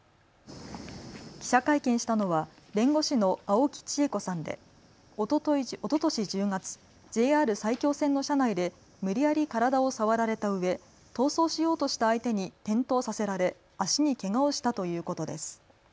記者会見したのは弁護士の青木千恵子さんでおととし１０月、ＪＲ埼京線の車内で無理やり体を触られたうえ逃走しようとした相手に転倒させられ足にけがをしたということです。